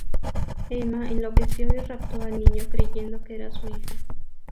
Emma enloqueció y raptó al niño creyendo que era su hijo.